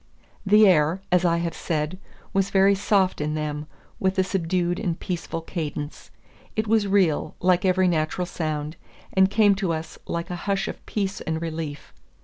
The air, as I have said, was very soft in them, with a subdued and peaceful cadence. It was real, like every natural sound, and came to us like a hush of peace and relief.